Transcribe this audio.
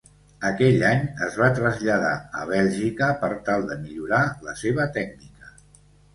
Aquell any es va traslladar a Bèlgica per tal de millorar la seva tècnica.